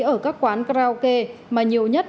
ở các quán karaoke mà nhiều nhất